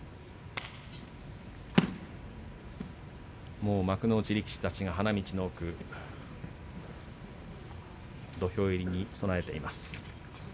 もう幕内力士たちが花道の奥土俵入りに備えています。